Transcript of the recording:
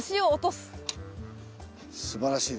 すばらしいです。